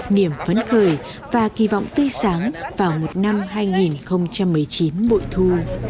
niềm phấn khởi và kỳ vọng tươi sáng vào một năm hai nghìn một mươi chín bội thu